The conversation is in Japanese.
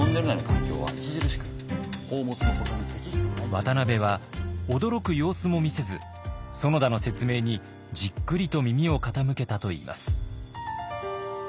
渡部は驚く様子も見せず園田の説明にじっくりと耳を傾けたといいます。